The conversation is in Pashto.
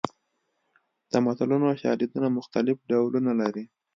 د متلونو شالیدونه مختلف ډولونه لري